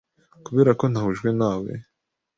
Kuberako ntahujwe na we